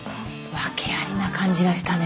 訳ありな感じがしたね。